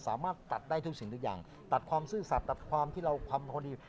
สามารถตัดได้ทุกสิ่งทุกอย่างตัดความซื่อสัตว์ตัดความที่เราทำพอดี